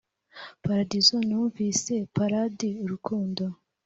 paradizo numvise paradi urukundo